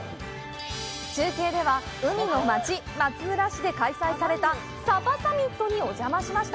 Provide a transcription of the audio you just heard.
中継では、海の街・松浦市で開催された鯖サミットにお邪魔しました！